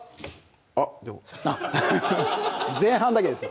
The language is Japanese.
あっでも前半だけです